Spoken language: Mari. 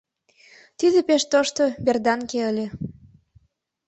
Тиде пеш тошто берданке ыле.